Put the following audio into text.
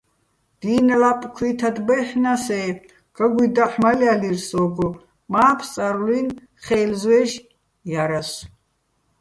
დი́ნ ლაპ ქუ́ჲთად ბაჲჰ̦ნა́ს-ე, გაგუჲ დაჰ̦ მალჲალირ სო́გო, მა́ ფსარლუ́ჲნი̆ ხეჲლზვე́ში̆ ჲარასო̆.